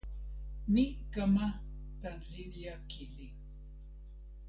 mi kama tan linja kili.